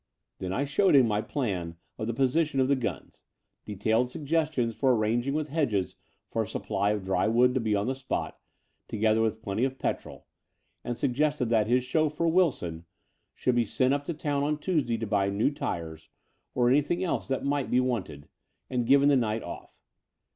The Dower House 269 Then I showed him my plan of the position of the guns, detailed suggestions for arranging with Hedges for a supply of dry wood to be on the spot, together with plenty of petrol, and suggested that his chauffeur, Wilson, should be sent up to town on Tuesday to buy new tyres, or anything else that might be wanted, and be given the night off.